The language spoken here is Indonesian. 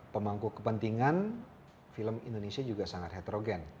pemangku kepentingan film indonesia juga sangat heterogen